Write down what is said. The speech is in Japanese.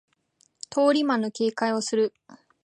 通り魔の警戒をする